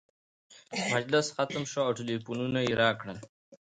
مجلس ختم شو او ټلفونونه یې راکړل.